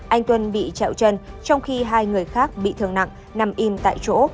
anh tuân bị trẹo chân trong khi hai người khác bị thương nặng nằm im tại chỗ